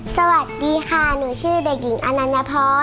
สวัสดีค่ะหนูชื่อเด็กหญิงอนันนพร